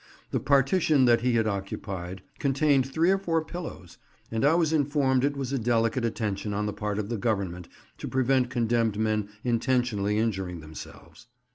The partition that he had occupied contained three or four pillows, and I was informed it was a delicate attention on the part of the Government to prevent condemned men intentionally injuring themselves.